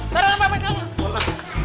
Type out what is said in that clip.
taruh dulu taruh dulu